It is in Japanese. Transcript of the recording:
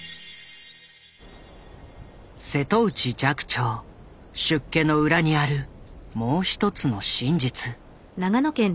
瀬戸内寂聴出家の裏にあるもう一つの真実。